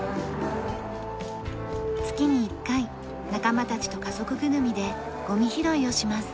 月に１回仲間たちと家族ぐるみでゴミひろいをします。